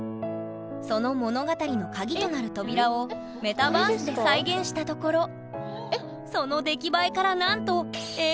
その物語の鍵となる扉をメタバースで再現したところその出来栄えからなんとえ！